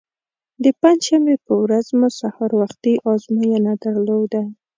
د پنجشنبې په ورځ مو سهار وختي ازموینه درلوده.